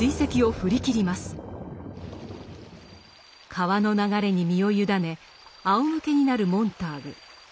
川の流れに身を委ねあおむけになるモンターグ。